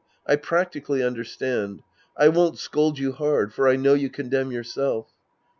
I practically understand. I won't scold you hard. For I know you condemn yourself.